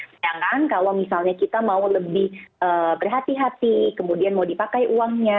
sedangkan kalau misalnya kita mau lebih berhati hati kemudian mau dipakai uangnya